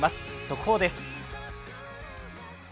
速報です。